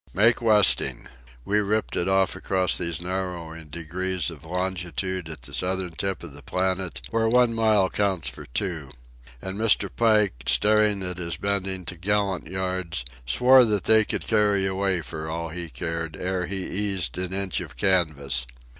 Make westing! We ripped it off across these narrowing degrees of longitude at the southern tip of the planet where one mile counts for two. And Mr. Pike, staring at his bending topgallant yards, swore that they could carry away for all he cared ere he eased an inch of canvas.